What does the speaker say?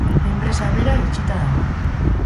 Enpresa bera itxita dago.